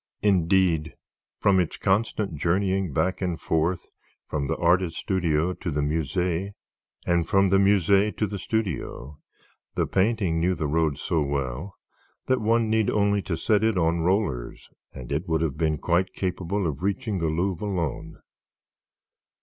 Indeed, from its constant journeying back and forth, from the artist's studio to the Musée, and from the Musée to the studio, the painting knew the road so well that one needed only to set it on rollers and it would have been quite capable of reaching the Louvre alone.